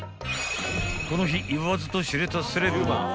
［この日言わずと知れたセレブの街